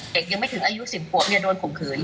เด็กยังไม่ถึงอายุ๑๐ปวดเนี่ยโดนข่มขืน